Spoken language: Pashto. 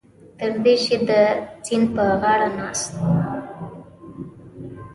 تر دې چې د سیند په غاړه ناست وو.